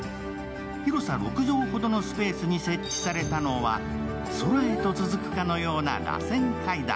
広さ６畳ほどのスペースに設置されたのは、空へと続くかのようならせん階段。